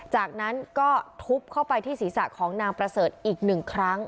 จากนั้นก็ทุบเข้าไปที่ศีรษะของนางประเสริฐอีกหนึ่งครั้ง